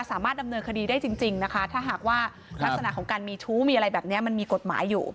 สามารถดำเนินคดีได้จริงนะคะถ้าหากว่าลักษณะของการมีชู้มีอะไรแบบนี้มันมีกฎหมายอยู่